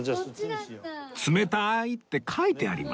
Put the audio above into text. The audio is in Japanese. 「つめたい」って書いてありますよ